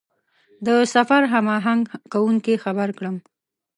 د سفر هماهنګ کوونکي خبر کړم.